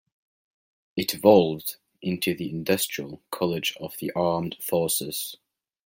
It evolved into the Industrial College of the Armed Forces.